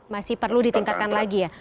masih perlu ditingkatkan lagi ya